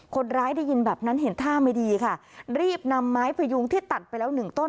ได้ยินแบบนั้นเห็นท่าไม่ดีค่ะรีบนำไม้พยุงที่ตัดไปแล้วหนึ่งต้น